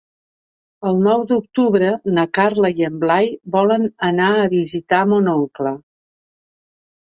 El nou d'octubre na Carla i en Blai volen anar a visitar mon oncle.